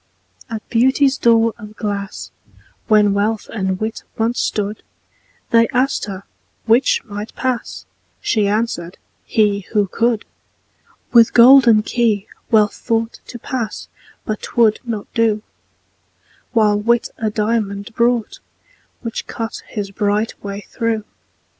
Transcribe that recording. At Beauty's door of glass, When Wealth and Wit once stood, They asked her 'which might pass?" She answered, "he, who could." With golden key Wealth thought To pass but 'twould not do: While Wit a diamond brought, Which cut his bright way through.